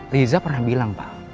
riza pernah bilang pak